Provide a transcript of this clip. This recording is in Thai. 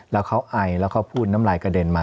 แล้วเขาไอแล้วเขาพูดน้ำลายกระเด็นมา